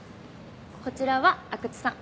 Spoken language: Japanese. こちらは阿久津さん。